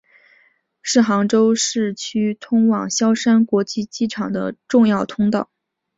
是杭州市区通往萧山国际机场的重要通道。